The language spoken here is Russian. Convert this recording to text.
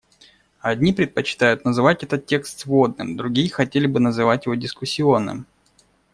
Одни предпочитают называть этот текст сводным, другие хотели бы называть его дискуссионным.